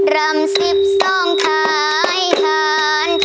รำสิบสองท้ายทานชม